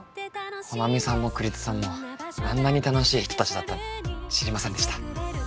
穂波さんも栗津さんもあんなに楽しい人たちだったなんて知りませんでした。